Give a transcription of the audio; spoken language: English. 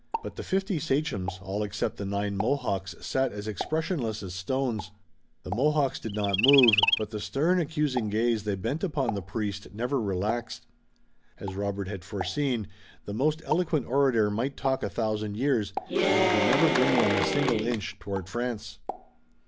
But the fifty sachems, all except the nine Mohawks, sat as expressionless as stones. The Mohawks did not move, but the stern, accusing gaze they bent upon the priest never relaxed. As Robert had foreseen, the most eloquent orator might talk a thousand years, and he could never bring them a single inch toward France.